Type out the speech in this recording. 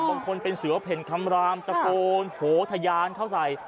บางคนเป็นเสือเพ่นคำรามตะโกนโหทะยานเข้าใส่